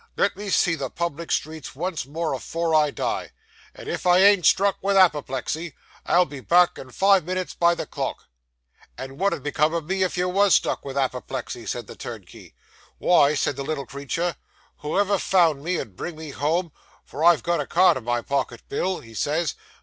Let me see the public streets once more afore I die; and if I ain't struck with apoplexy, I'll be back in five minits by the clock." "And wot 'ud become o' me if you _wos _struck with apoplexy?" said the turnkey. "Wy," says the little creetur, "whoever found me, 'ud bring me home, for I've got my card in my pocket, Bill," he says, "No.